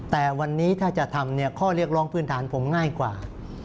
แต่วันนี้ถ้าจะทำข้อเรียกร้องพื้นฐานผมง่ายกว่า